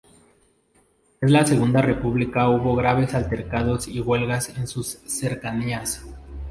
En la Segunda República hubo graves altercados y huelgas en sus cercanías.